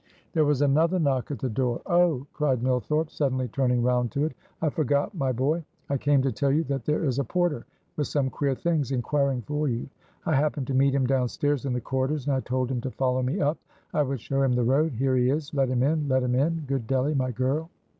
There was another knock at the door. "Oh!" cried Millthorpe, suddenly turning round to it, "I forgot, my boy. I came to tell you that there is a porter, with some queer things, inquiring for you. I happened to meet him down stairs in the corridors, and I told him to follow me up I would show him the road; here he is; let him in, let him in, good Delly, my girl."